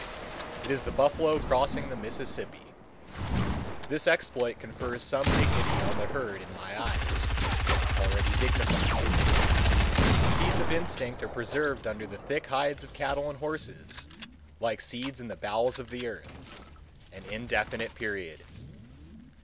It is the buffalo crossing the Mississippi. This exploit confers some dignity on the herd in my eyes—already dignified. The seeds of instinct are preserved under the thick hides of cattle and horses, like seeds in the bowels of the earth, an indefinite period.